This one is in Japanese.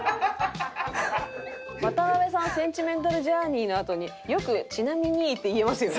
「渡邊さんセンチメンタル・ジャーニー！」のあとによく「ちなみに」って言えますよね。